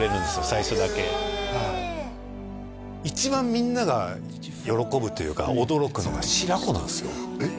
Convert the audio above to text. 最初だけはい一番みんなが喜ぶというか驚くのが白子なんですよえっ？